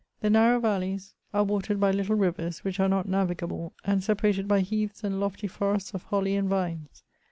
The narrow valleys are watered by Uttle rivers, which are not navigable, and separated by heaths and lofty forests of holly and vines.